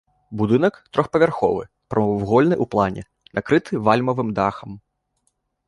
Будынак трохпавярховы, прамавугольны ў плане, накрыты вальмавым дахам.